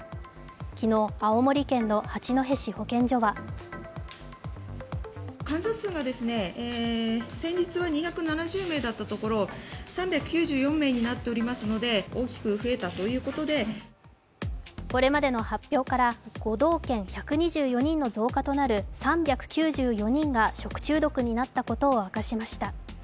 昨日、青森県の八戸市保健所はこれまでの発表から５道県１２４人の増加となる３９４人が食中毒になったことを明かしました。